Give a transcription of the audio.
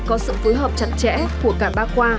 có sự phối hợp chặt chẽ của cả ba khoa